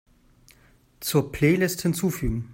Zur Playlist hinzufügen.